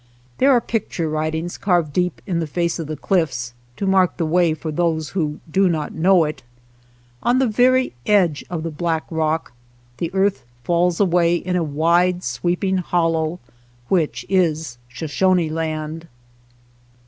There are picture writings carved deep in 85 (■ SHOSHONE LAND the face of the cHffs to mark the way for those who do not know it. On the very edge of the black rock the earth falls away in a wide sweeping hollow, which is Sho shone Land.